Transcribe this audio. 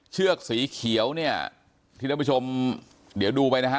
เชือกสีเขียวเนี่ยที่ท่านผู้ชมเดี๋ยวดูไปนะฮะ